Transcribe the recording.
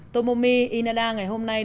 tomomi inada ngày hôm nay